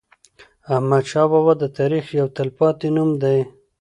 احمدشاه بابا د تاریخ یو تل پاتی نوم دی.